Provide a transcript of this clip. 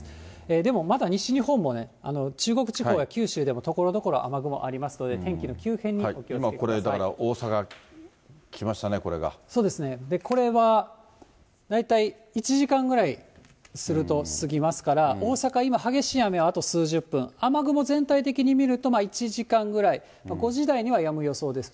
でも、まだ西日本もね、中国地方や九州でもところどころ雨雲ありますので、今、これ、だから大阪、そうですね。これは大体、１時間ぐらいすると過ぎますから、大阪、今、激しい雨はあと数十分、雨雲全体的に見ると、１時間ぐらい、５時台にはやむ予想です。